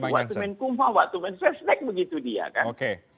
waktu menkumham waktu mensesnek begitu dia kan